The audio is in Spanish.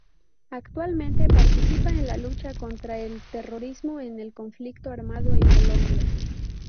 Actualmente participa en la lucha contra el Terrorismo, en el Conflicto armado en Colombia.